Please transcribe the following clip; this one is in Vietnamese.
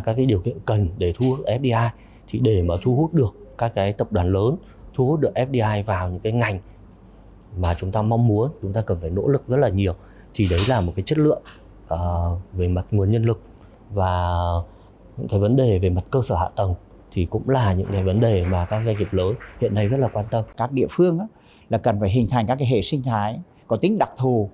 các địa phương cần hình thành các hệ sinh thái có tính đặc thù